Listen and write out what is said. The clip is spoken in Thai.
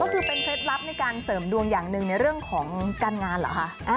ก็คือเป็นเคล็ดลับในการเสริมดวงอย่างหนึ่งในเรื่องของการงานเหรอคะ